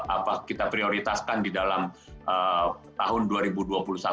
apa yang kita prioritaskan di tahun dua ribu dua puluh satu ini